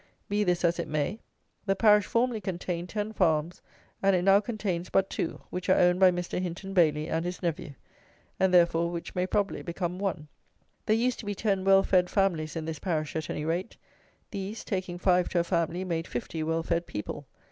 Be this as it may, the parish formerly contained ten farms, and it now contains but two, which are owned by Mr. Hinton Bailey and his nephew, and, therefore, which may probably become one. There used to be ten well fed families in this parish at any rate: these, taking five to a family, made fifty well fed people.